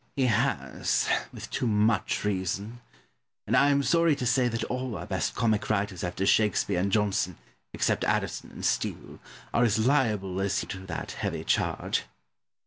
Pope. He has, with too much reason: and I am sorry to say that all our best comic writers after Shakespeare and Johnson, except Addison and Steele, are as liable as he to that heavy charge.